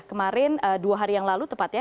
kemarin dua hari yang lalu tepat ya